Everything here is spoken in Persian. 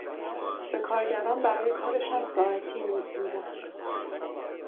به کارگران برای کارشان ساعتی مزد میدهند.